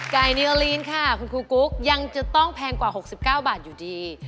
นิวลีนค่ะคุณครูกุ๊กยังจะต้องแพงกว่า๖๙บาทอยู่ดี